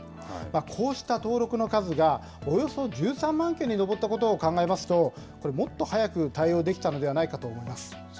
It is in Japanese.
こうした登録の数がおよそ１３万件に上ったことを考えますと、これ、もっと早く対応できたのではないかと思います。